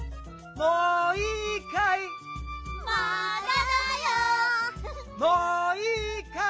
もういいかい？